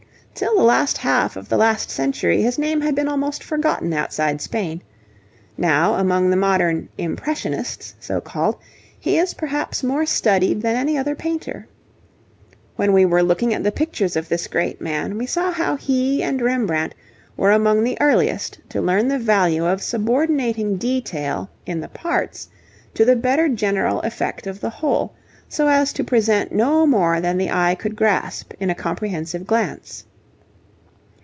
Till the last half of the last century his name had been almost forgotten outside Spain. Now, among the modern 'impressionists' so called, he is perhaps more studied than any other painter. When we were looking at the pictures of this great man, we saw how he and Rembrandt were among the earliest to learn the value of subordinating detail in the parts to the better general effect of the whole, so as to present no more than the eye could grasp in a comprehensive glance.